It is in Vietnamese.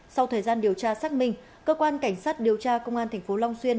sau thời gian điều tra xác minh cơ quan cảnh sát điều tra công an thành phố long xuyên